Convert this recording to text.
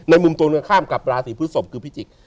ในมุมตัวข้ามกับราศีพฤษภพิจิกษ์